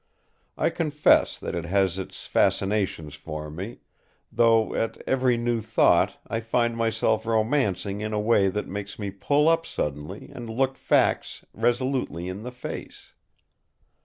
I confess that it has its fascinations for me; though at every new thought I find myself romancing in a way that makes me pull up suddenly and look facts resolutely in the face.